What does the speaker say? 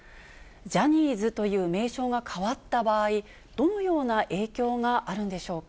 ジャニーズという名称が変わった場合、どのような影響があるんでしょうか。